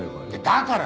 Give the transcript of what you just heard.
だから！